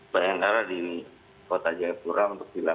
bayangkan di kota jaya pura untuk hilang